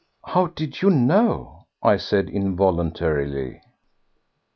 "How did you know?" I said involuntarily.